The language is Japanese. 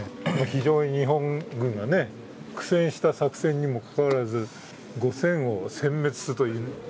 非常に日本軍が苦戦した作戦にもかかわらず、「５０００を殲滅す」という。